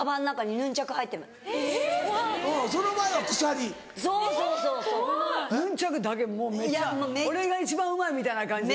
ヌンチャクだけもうめっちゃ俺が一番うまいみたいな感じで。